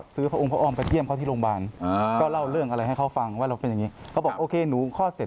ซึ่งก็ซื้อพระองค์มระดาษมาเยี่ยมรวมภาพออการครับ